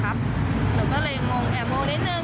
หนูก็เลยงงแอบงงนิดนึง